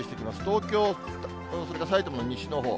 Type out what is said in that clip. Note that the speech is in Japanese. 東京、それから埼玉の西のほう、